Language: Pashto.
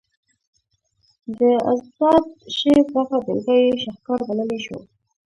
د اذاد شعر دغه بیلګه یې شهکار بللی شو.